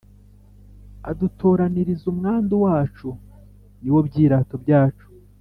Adutoraniriza umwandu wacu Ni wo byirato byacu